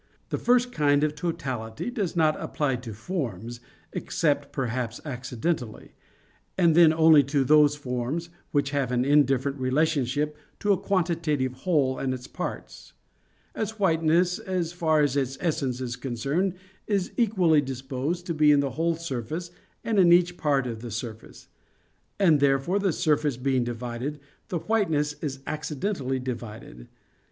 The first kind of totality does not apply to forms, except perhaps accidentally; and then only to those forms, which have an indifferent relationship to a quantitative whole and its parts; as whiteness, as far as its essence is concerned, is equally disposed to be in the whole surface and in each part of the surface; and, therefore, the surface being divided, the whiteness is accidentally divided.